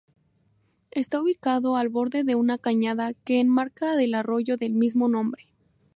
Está ubicado al borde de una cañada que enmarca del arroyo del mismo nombre.